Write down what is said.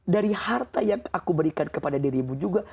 dari harta yang aku berikan kepada dirimu juga